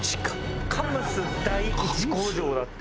カムス第一工場だって。